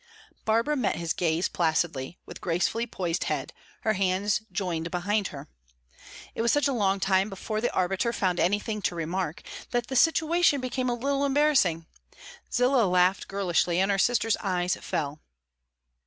Barbara met his gaze placidly, with gracefully poised head, her hands joined behind her. It was such a long time before the arbiter found anything to remark, that the situation became a little embarrassing; Zillah laughed girlishly, and her sister's eyes fell.